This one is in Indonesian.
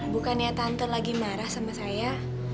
bukannya tante lagi marah sama saya